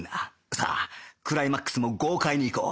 さあクライマックスも豪快にいこう！